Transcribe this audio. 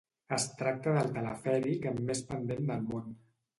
Es tracta del telefèric amb més pendent del món.